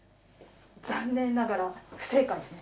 残念ながら不正解ですね。